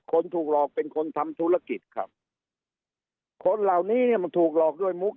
คนถูกหลอกเป็นคนทำธุรกิจครับคนเหล่านี้เนี่ยมันถูกหลอกด้วยมุก